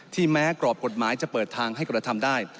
ที่แม้กรอบกฎหมายจะเปิดทางให้กรรธรรมได้